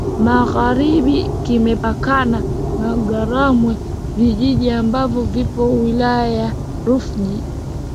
Magharibi kimepakana na Ngarambe vijiji ambavyo vipo Wilaya ya Rufiji